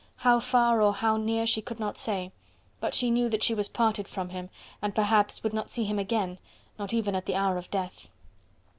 how far or how near she could not say... but she knew that she was parted from him and perhaps would not see him again, not even at the hour of death.